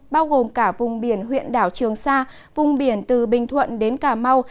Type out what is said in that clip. bao gồm cả vùng biển huyện đảo trường sa vùng biển từ bình thuận đến cà mau